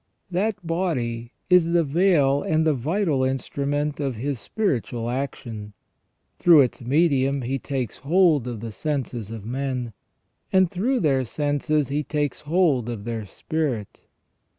That body is the veil and the vital instrument of His spiritual action ; through its medium He takes hold of the senses of men, and through their senses He takes hold of their spirit.